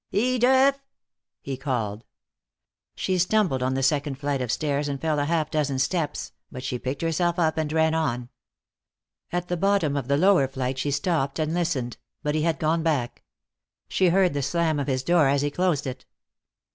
"Edith!" he called. She stumbled on the second flight of stairs and fell a half dozen steps, but she picked herself up and ran on. At the bottom of the lower flight she stopped and listened, but he had gone back. She heard the slam of his door as he closed it.